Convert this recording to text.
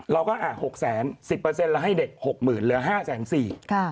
เราก็อ่ะ๖๐๐๐๐๐๑๐ละให้เด็ก๖๐๐๐๐เหลือ๕๐๐๐๐สี